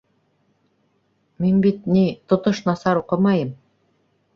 Мин бит, ни, тотош насар уҡымайым.